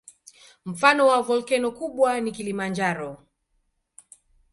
Mfano wa volkeno kubwa ni Kilimanjaro.